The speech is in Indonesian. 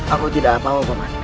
aku tidak apa apa mas